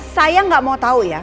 saya gak mau tau ya